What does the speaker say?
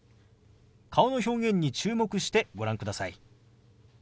顔の表現に注目してご覧ください。